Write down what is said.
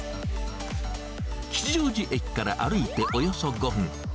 吉祥寺駅から歩いておよそ５分。